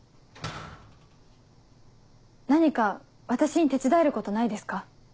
何か私に手伝えることないですか？